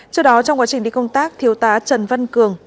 trước đó trong quá trình đi công tác thiếu tá trần văn cường